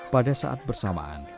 pada saat bersama